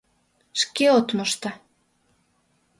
Шке от мошто...